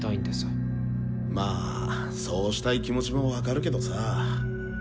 まあそうしたい気持ちも分かるけどさぁ。